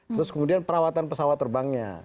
terus kemudian perawatan pesawat terbangnya